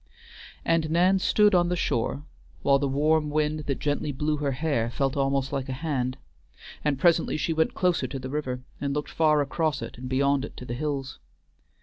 And Nan stood on the shore while the warm wind that gently blew her hair felt almost like a hand, and presently she went closer to the river, and looked far across it and beyond it to the hills.